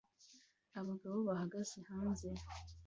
Abagabo bahagaze hanze